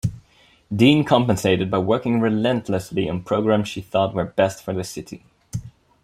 Dean compensated by working relentlessly on programs she thought were best for the city.